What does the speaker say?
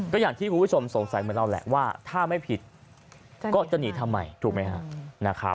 ก็อย่างที่คุณผู้ชมสงสัยเหมือนเราแหละว่าถ้าไม่ผิดก็จะหนีทำไมถูกไหมครับ